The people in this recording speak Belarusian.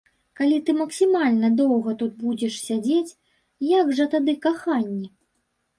Калі ты максімальна доўга тут будзеш сядзець, як жа тады каханне?